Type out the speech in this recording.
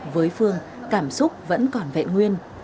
với phương cảm xúc vẫn còn vẹn nguyên